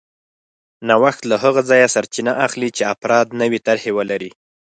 نوښت له هغه ځایه سرچینه اخلي چې افراد نوې طرحې ولري